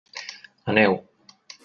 Aneu!